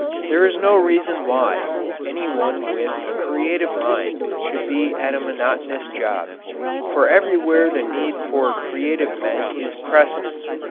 There is no reason why any one with a creative mind should be at a monotonous job, for everywhere the need for creative men is pressing.